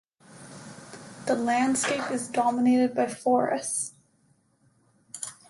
The landscape is dominated by forests.